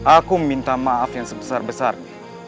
aku minta maaf yang sebesar besarnya